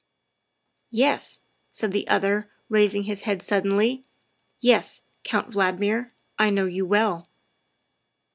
" Yes," said the other, raising his head suddenly, " yes, Count Valdmir, I know you well."